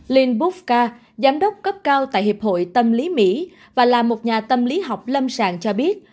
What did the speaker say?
linh bookka giám đốc cấp cao tại hiệp hội tâm lý mỹ và là một nhà tâm lý học lâm sàng cho biết